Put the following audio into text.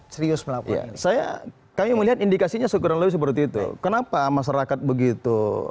serius melakukannya saya kami melihat indikasinya sekurang lebih seperti itu kenapa masyarakat begitu